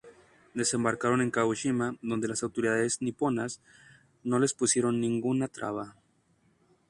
Desembarcaron en Kagoshima, donde las autoridades niponas no les pusieron ninguna traba.